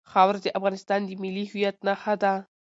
خاوره د افغانستان د ملي هویت نښه ده.